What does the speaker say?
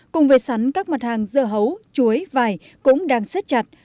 cùng với sắn các mặt hàng dưa hấu chuối vải cũng đang xếp chặt